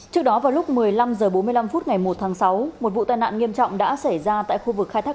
trước đó vào lúc một mươi năm h bốn mươi năm phút ngày một tháng sáu một vụ tai nạn nghiêm trọng đã xảy ra tại khu vực khai thác